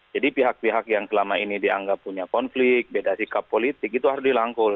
jadi pihak pihak yang selama ini dianggap punya konflik beda sikap politik itu harus dilangkul